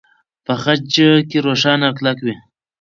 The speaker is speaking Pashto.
په خج کې روښانه او کلک وي.